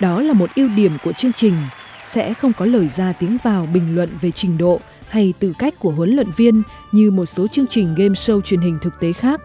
đó là một ưu điểm của chương trình sẽ không có lời ra tiếng vào bình luận về trình độ hay tư cách của huấn luyện viên như một số chương trình game show truyền hình thực tế khác